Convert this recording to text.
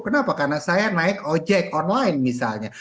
kenapa karena saya naik ojek online misalnya